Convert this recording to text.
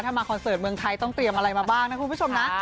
ถ้ามาคอนเสิร์ตเมืองไทยต้องเตรียมอะไรมาบ้างนะคุณผู้ชมนะ